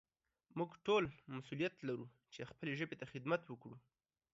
موږ ټول مسؤليت لرو چې خپلې ژبې ته خدمت وکړو.